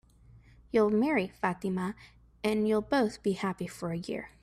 You'll marry Fatima, and you'll both be happy for a year.